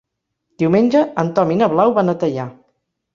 Diumenge en Tom i na Blau van a Teià.